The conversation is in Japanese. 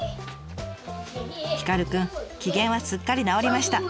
ヒカルくん機嫌はすっかり直りました。